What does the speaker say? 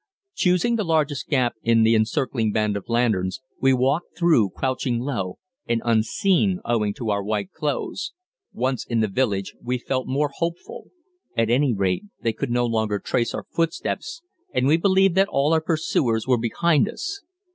Choosing the largest gap in the encircling band of lanterns we walked through crouching low, and unseen owing to our white clothes. Once in the village we felt more hopeful. At any rate they could no longer trace our footsteps, and we believed that all our pursuers were behind us.